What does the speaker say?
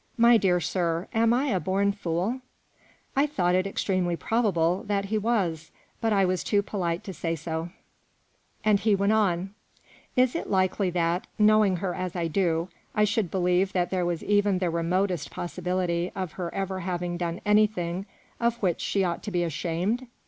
" My dear sir, am I a born fool ?" I thought it extremely probable that he was ; but I was too polite to say so, and he went on " Is it likely that, knowing her as I do, I should believe there was even the remotest possibility of her ever having done anything of which she ought to be ashamed